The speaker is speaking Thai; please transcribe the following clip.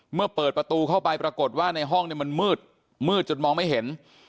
เมื่อเปิดประตูเข้าไปปรากฏว่าในห้องมันมืดมืดจนมองไม่เห็น